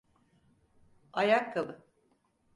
Ayakkabı.